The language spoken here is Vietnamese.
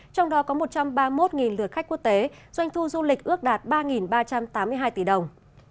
trong đó có một trăm ba mươi một lượt khách quốc tế doanh thu du lịch ước đạt ba ba trăm tám mươi hai tỷ đồng